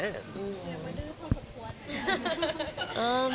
เชื่อมดื้อพร้อมสมควรไหม